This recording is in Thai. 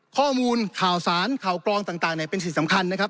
ข้อมูลข่าวสารข่าวกรองต่างเป็นสิ่งสำคัญนะครับ